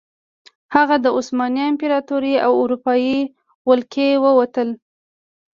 هغه د عثماني امپراتورۍ او اروپايي ولکې ووتل.